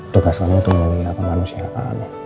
tugas kamu itu melihat kemanusiaan